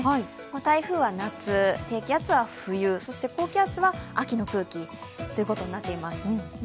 台風は夏、低気圧は冬高気圧は秋の空気ということになっています。